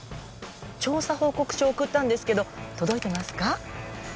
調査報告書送ったんですけど届いてますか？